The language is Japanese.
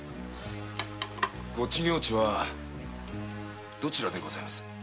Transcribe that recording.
御知行地はどちらでございますか？